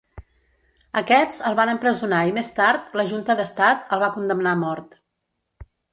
Aquests el van empresonar i més tard, la Junta d'Estat el va condemnar a mort.